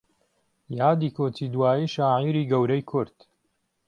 یادی کۆچی داوی شاعیری گەورەی کورد